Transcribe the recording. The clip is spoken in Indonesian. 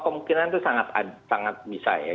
kemungkinan itu sangat bisa ya